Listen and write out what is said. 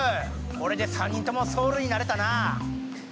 これで３人ともソールになれたな。